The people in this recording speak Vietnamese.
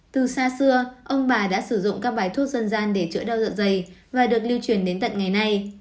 từ xa xưa ông bà đã sử dụng các bài thuốc dân gian để chữa đau dạ dày và được lưu truyền đến tận ngày nay